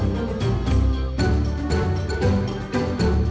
เพื่อนรับทราบ